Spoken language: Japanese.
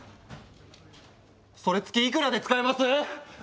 それ月いくらで使えます？